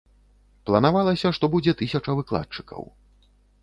Планавалася, што будзе тысяча выкладчыкаў.